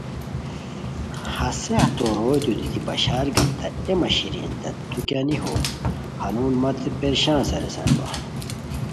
ہسے ہتو روئیتو دیتی بشارگانیتائے اے مہ شیرین تت تو کیانی ہو؟ ہنون مت پریشان ساریسان وا